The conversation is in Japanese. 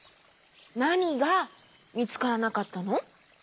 なにがみつからなかったの？